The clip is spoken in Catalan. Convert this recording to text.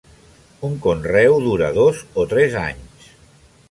Un conreu dura dos o tres anys.